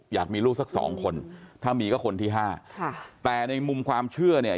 อยากมีลูกสักสองคนถ้ามีก็คนที่ห้าค่ะแต่ในมุมความเชื่อเนี่ย